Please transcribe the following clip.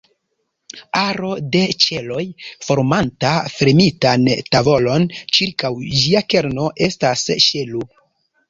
Aro de ĉeloj formanta fermitan tavolon ĉirkaŭ ĝia kerno estas ŝelo.